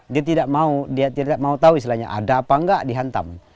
dia tidak mau dia tidak mau tahu istilahnya ada apa enggak dihantam